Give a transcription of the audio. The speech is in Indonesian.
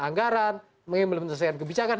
anggaran mengimplementasikan kebijakan